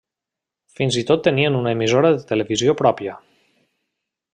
Fins i tot tenen una emissora de televisió pròpia.